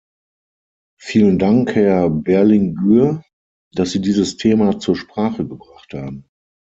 Vielen Dank, Herr Berlinguer, dass Sie dieses Thema zur Sprache gebracht haben.